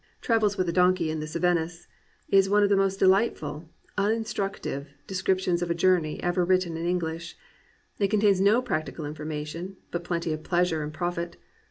Travels with a Don key in the Cevennes is one of the most delightful, uninstructive descriptions of a journey ever written in English. It contains no practical information but plenty of pleasure and profit.